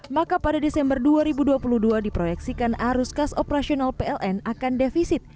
maka pada desember dua ribu dua puluh dua diproyeksikan arus kas operasional pln akan defisit